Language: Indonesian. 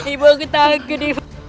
ibu aku takut